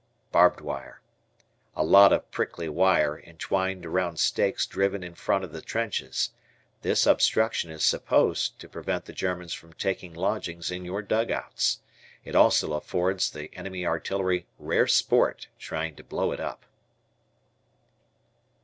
Barbed Wire. A lot of prickly wire entwined around stakes driven in front of the trenches. This obstruction is supposed to prevent the Germans from taking lodgings in your dugouts. It also affords the enemy artillery rare sport trying to blow it up.